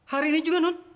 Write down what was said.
hari ini juga non